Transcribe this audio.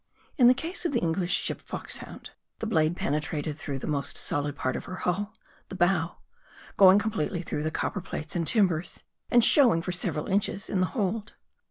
In the case of the English ship Foxhound, the blade pen etrated through the most solid part of her hull, the bow ; going completely through the copper plates and timbers, and showing for several inches in the hold.